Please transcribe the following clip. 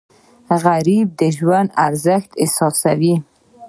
غریب د ژوند ارزښت احساسوي